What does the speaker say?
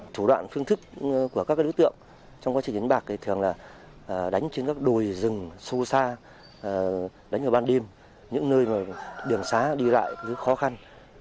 thủ đoạn phương thức của các đối tượng trong quá trình đánh bạc thì thường là đánh trên các đồi rừng sâu xa đánh vào ban đêm những nơi đường xá đi lại những khó khăn